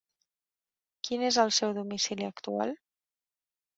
Quin és el seu domicili actual?